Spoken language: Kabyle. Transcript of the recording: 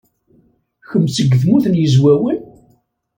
Kemm seg Tmurt n Yizwawen?